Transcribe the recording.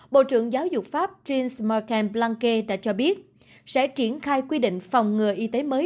bộ trưởng giáo dục pháp jean marc henri blanquet đã cho biết sẽ triển khai quy định phòng ngừa y tế mới